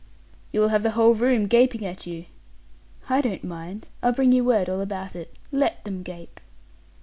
"You will have the whole room gaping at you." "I don't mind. I'll bring you word all about it. Let them gape."